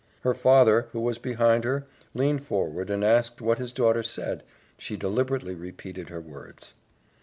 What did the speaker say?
Her father, who was behind her, leaned forward, and asked what his daughter said she deliberately repeated her words.